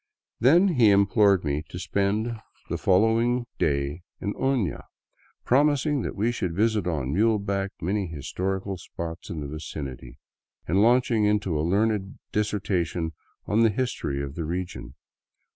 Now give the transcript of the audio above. Then he implored me to spend the fol 201 VAGABONDING DOWN THE ANDES lowing day in Oiia, promising that we should visit on muleback the many historical spots in the vicinity, and launching into a learned dis sertation on the history of the region.